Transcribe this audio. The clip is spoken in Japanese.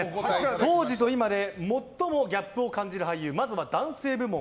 当時と今で最もギャップを感じる俳優まずは、男性部門